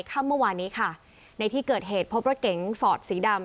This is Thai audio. ค่ำเมื่อวานนี้ค่ะในที่เกิดเหตุพบรถเก๋งฟอร์ดสีดำ